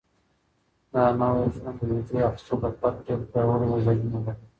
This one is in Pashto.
دا نوی ډرون د ویډیو اخیستلو لپاره ډېر پیاوړي وزرونه لري.